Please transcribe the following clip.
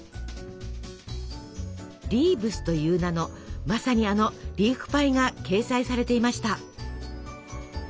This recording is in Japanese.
「リーブス」という名のまさにあのリーフパイが掲載されていました。